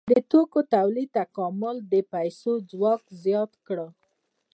د توکو تولید تکامل د پیسو ځواک زیات کړ.